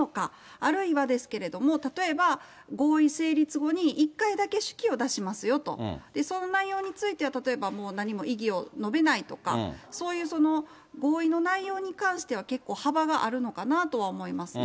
あるいはですけれども、例えば、合意成立後に１回だけ手記を出しますよと、その内容については、例えば、なにも異議を述べないとか、そういう合意の内容に関しては、結構、幅があるのかなとは思いますね。